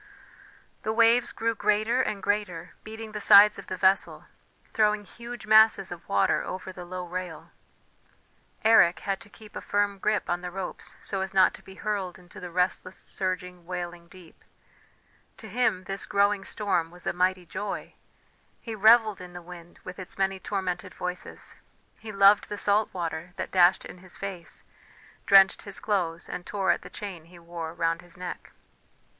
The waves grew greater and greater, beating the sides of the vessel, throwing huge masses of water over the low rail. Eric had to keep a firm grip on the ropes so as not to be hurled into the restless, surging, wailing deep to him this growing storm was a mighty joy; he revelled in the wind with its many tormented voices; he loved the salt water that dashed in his face, drenched his clothes, and tore at the chain he wore round his neck.